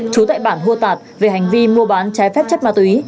chú tại bản hô tạt về hành vi mua bán trái phép chất ma túi